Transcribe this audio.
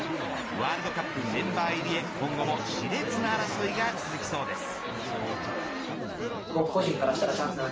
ワールドカップメンバー入りへ今後もし烈な争いが続きそうです。